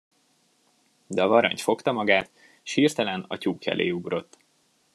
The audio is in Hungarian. De a varangy fogta magát, s hirtelen a tyúk elé ugrott.